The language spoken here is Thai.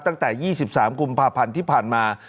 ตั้งแต่๒๓กุมภาพันธ์ที่ผ่านมา